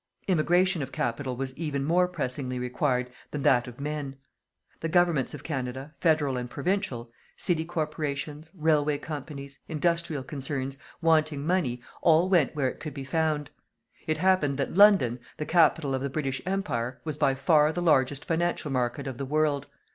Immigration of capital was even more pressingly required than that of men. The Governments of Canada, federal and provincial, city corporations, railway companies, industrial concerns, wanting money, all went where it could be found. It happened that London, the capital of the British Empire, was by far the largest financial market of the world.